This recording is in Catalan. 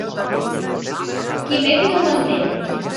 Quimet no ho entén.